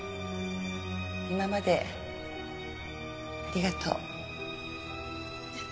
今までありがとう。